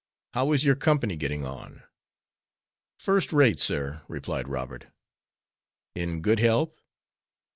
How is your company getting on?" "First rate, sir," replied Robert. "In good health?"